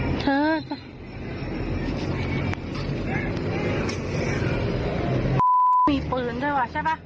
มีปืนด้วยว่าใช่ป่ะปืนหรือมีดว่า